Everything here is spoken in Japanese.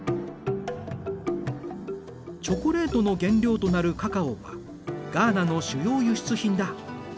チョコレートの原料となるカカオはガーナの主要輸出品だ。